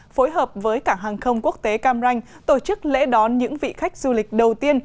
phối hợp với cảng hàng không quốc tế cam ranh tổ chức lễ đón những vị khách du lịch đầu tiên